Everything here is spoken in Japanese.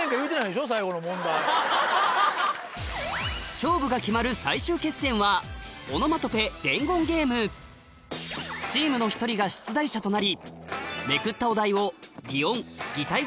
勝負が決まる最終決戦はチームの１人が出題者となりめくった